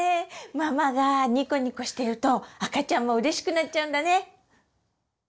ママがニコニコしていると赤ちゃんもうれしくなっちゃうんだね！